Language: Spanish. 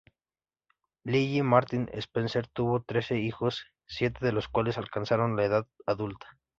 Lilly Martin Spencer tuvo trece hijos, siete de los cuales alcanzaron la edad adulta.